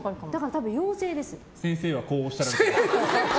先生はこうおっしゃられています。